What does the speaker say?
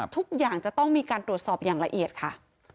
ทุกอย่างจะต้องมีการตรวจสอบอย่างละเอียดค่ะ